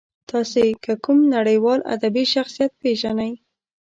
تاسې که کوم نړیوال ادبي شخصیت پېژنئ.